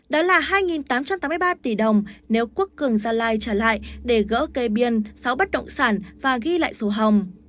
đó là hai tám trăm tám mươi ba tỷ đồng nếu quốc cường gia lai trở lại để gỡ cây biên sáu bất động sản và ghi lại sổ hồng